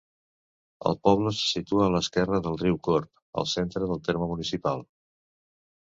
El poble se situa a l'esquerra del riu Corb, al centre del terme municipal.